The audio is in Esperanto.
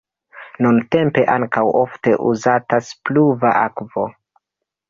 Nuntempe ankaŭ ofte uzatas pluva akvo.